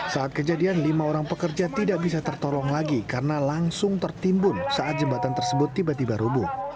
saat kejadian lima orang pekerja tidak bisa tertolong lagi karena langsung tertimbun saat jembatan tersebut tiba tiba rubuh